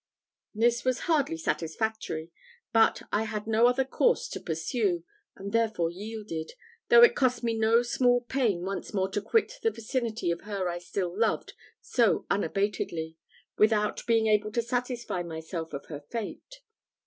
This was hardly satisfactory; but I had no other course to pursue, and therefore yielded, though it cost me no small pain once more to quit the vicinity of her I still loved so unabatedly, without being able to satisfy myself of her fate.